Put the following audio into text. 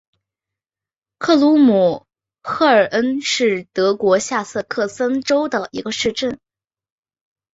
克鲁姆赫尔恩是德国下萨克森州的一个市镇。